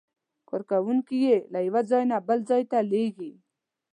کارکوونکي یې له یو ځای نه بل ته لېږي.